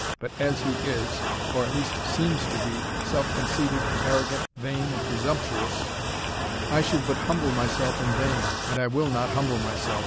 But as he is, or at least seems to be, self conceited, arrogant, vain, and presumptuous I should but humble myself in vain and I will not humble myself!"